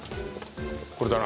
これだな。